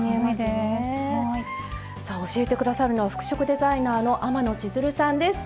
さあ教えて下さるのは服飾デザイナーの天野千鶴さんです。